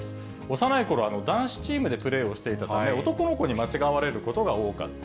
幼いころ、男子チームでプレーをしていたため、男の子に間違われることが多かった。